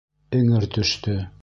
Эңер төштө.